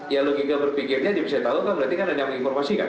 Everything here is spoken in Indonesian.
ya logika berpikirnya dia bisa tahu berarti kan ada yang menginformasi kan